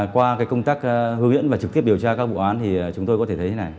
qua công tác hư viễn và trực tiếp điều tra các bộ án thì chúng tôi có thể thấy thế này